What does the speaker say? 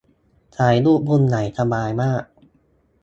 ถ่ายรูปมุมไหนสบายมาก